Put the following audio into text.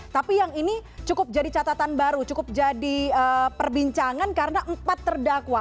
tapi yang ini cukup jadi catatan baru cukup jadi perbincangan karena empat terdakwa